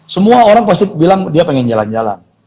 semua orang pasti bilang dia pengen jalan jalan